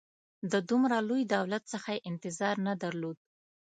د دومره لوی دولت څخه یې انتظار نه درلود.